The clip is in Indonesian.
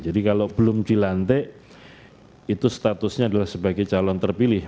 jadi kalau belum dilantik itu statusnya adalah sebagai calon terpilih